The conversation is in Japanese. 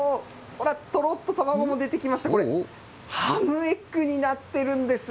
ほら、とろっと卵も出てきました、ハムエッグになっているんです。